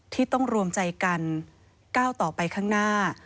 ที่ต้องรวมใจกันก้าวต่อไปข้างหน้า